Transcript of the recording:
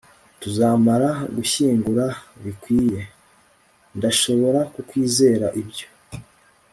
tuzamuha gushyingura bikwiye; ndashobora kukwizeza ibyo